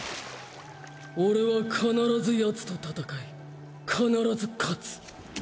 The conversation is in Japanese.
俺は必ずヤツと戦い必ず勝つ。